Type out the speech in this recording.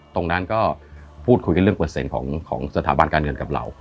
ตรงนั้นก็พูดคุยกันเรื่องเปอร์เซ็นต์ของสถาบันการเงินกับเรา